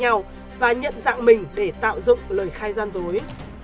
hãy nhận dạng mình để tạo dụng lời khai gian dối